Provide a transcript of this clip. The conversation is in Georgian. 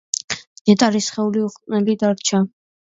ნეტარის სხეული უხრწნელი დარჩა.